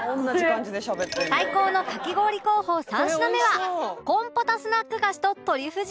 最高のかき氷候補３品目はコンポタスナック菓子とトリュフ塩かき氷に